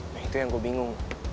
nah itu yang gue bingung